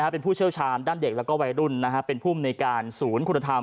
เป็นผู้เชี่ยวชาญด้านเด็กและวัยรุ่นเป็นภูมิในการศูนย์คุณธรรม